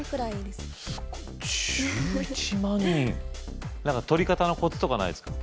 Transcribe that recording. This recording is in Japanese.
すごい１１万人なんか撮り方のコツとかないですか？